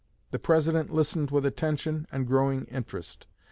The President listened with attention and growing interest.